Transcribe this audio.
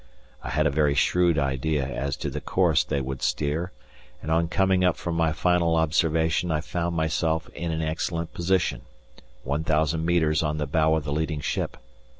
I had a very shrewd idea as to the course they would steer, and on coming up for my final observation I found myself in an excellent position, 1,000 metres on the bow of the leading ship.